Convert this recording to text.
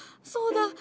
そうだ！